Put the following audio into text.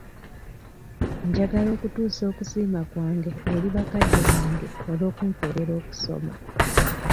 Njagala okutuusa okusiima kwange eri bakadde bange olw'okumpeerera okusoma.